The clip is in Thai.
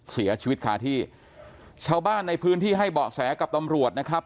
เสียชีวิตคาที่ชาวบ้านในพื้นที่ให้เบาะแสกับตำรวจนะครับ